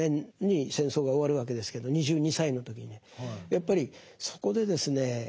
やっぱりそこでですね